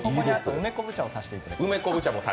梅昆布茶を足していただきます。